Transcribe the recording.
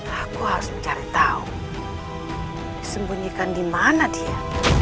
aku harus mencari tahu disembunyikan di mana dia